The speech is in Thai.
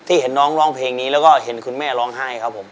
เห็นน้องร้องเพลงนี้แล้วก็เห็นคุณแม่ร้องไห้ครับผม